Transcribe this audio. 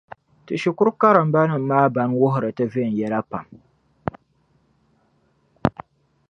Ti shikuru karimbanima maa ban wuhiri ti viɛnyɛla pam.